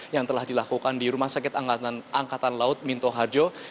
yang telah dilakukan di rumah sakit angkatan laut minto harjo